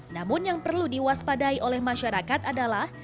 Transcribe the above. namun yang perlu diwaspadai oleh masyarakat adalah